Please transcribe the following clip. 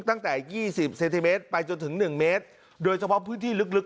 ตั้งแต่ยี่สิบเซนติเมตรไปจนถึงหนึ่งเมตรโดยเฉพาะพื้นที่ลึก